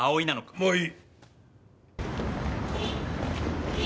もういい。